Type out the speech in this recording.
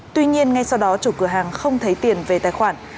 tuy nhiên ngay sau đó chủ cửa hàng không thấy tiền về tài khoản